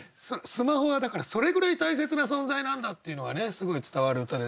スマホはだからそれぐらい大切な存在なんだっていうのがねすごい伝わる歌ですけれど。